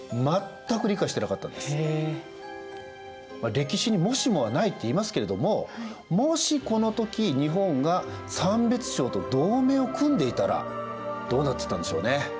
歴史にもしもはないって言いますけれどももしこの時日本が三別抄と同盟を組んでいたらどうなってたんでしょうね。